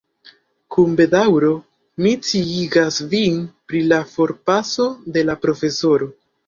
Kun bedaŭro mi sciigas vin pri la forpaso de la profesoro.